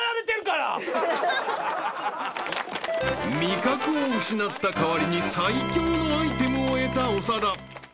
［味覚を失った代わりに最強のアイテムを得た長田］